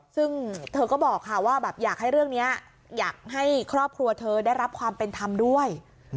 ซึ่งเธอก็บอกค่ะว่าแบบอยากให้เรื่องนี้อยากให้ครอบครัวเธอได้รับความเป็นธรรมด้วย